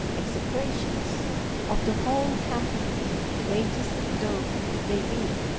execrations! of the whole company, ladies though they be.